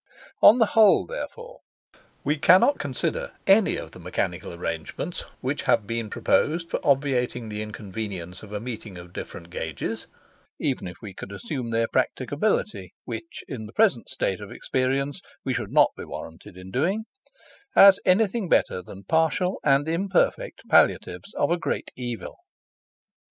On the whole, therefore, we cannot consider any of the mechanical arrangements which have been proposed for obviating the inconvenience of a meeting of different gauges (even if we could assume their practicability, which in the present state of experience we should not be warranted in doing,) as anything better than partial and imperfect palliatives of a great evil.